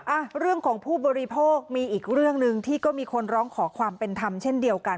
อ่ะเรื่องของผู้บริโภคมีอีกเรื่องหนึ่งที่ก็มีคนร้องขอความเป็นธรรมเช่นเดียวกัน